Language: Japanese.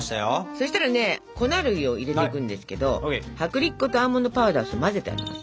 そしたらね粉類を入れていくんですけど薄力粉とアーモンドパウダーを混ぜてあります。